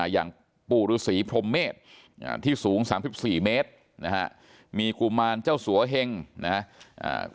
อย่างปู่ฤษีพรมเมษที่สูง๓๔เมตรนะฮะมีกุมารเจ้าสัวเฮงนะครับ